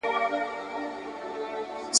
نه له سیال نه له تربوره برابر دی ,